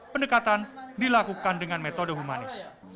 pendekatan dilakukan dengan metode humanis